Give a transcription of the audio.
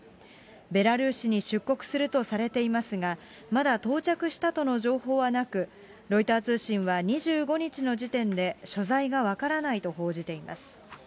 ベラルーシに出国するとされていますが、まだ到着したとの情報はなく、ロイター通信は２５日の時点で所在が分からないと報じています。